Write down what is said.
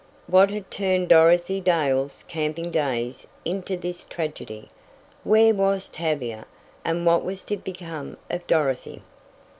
What had turned Dorothy Dale's camping days into this tragedy? Where was Tavia? And what was to become of Dorothy?